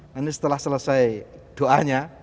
dan setelah selesai doanya